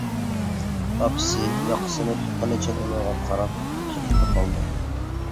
ئاپىسى ياقىسىنى تۇتقىنىچە ئۇنىڭغا قاراپ قېتىپلا قالدى.